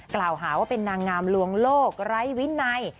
กล่าวหาว่าเป็นนางงามลวงโลกไร้วินัย